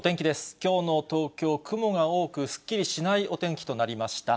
きょうの東京、雲が多く、すっきりしないお天気となりました。